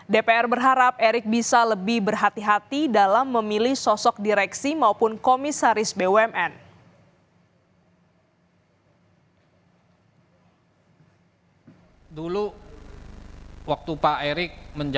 dpr berharap erick bisa lebih berhati hati dalam memilih sosok direksi maupun komisaris bumn